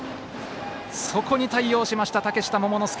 そこに対応しました、嶽下桃之介。